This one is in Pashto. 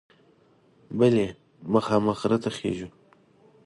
بله مخامخ غره ته خیژي.